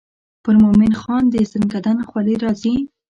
پر مومن خان د زکندن خولې راځي.